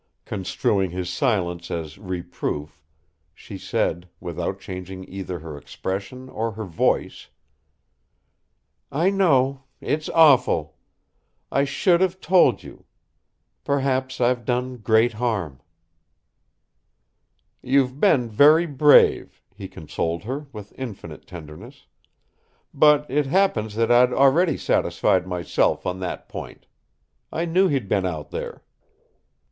Construing his silence as reproof, she said, without changing either her expression or her voice: "I know it's awful. I should have told you. Perhaps, I've done great harm." "You've been very brave," he consoled her, with infinite tenderness. "But it happens that I'd already satisfied myself on that point. I knew he'd been out there."